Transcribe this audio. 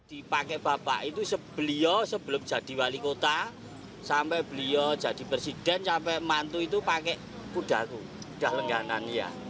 dipakai bapak itu sebelum jadi wali kota sampai beliau jadi presiden sampai mantu itu pakai kuda itu kuda lengganan